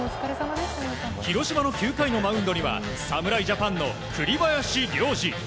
広島の９回のマウンドには侍ジャパンの栗林良吏。